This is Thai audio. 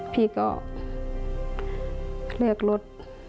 พี่เขาเลือกรถ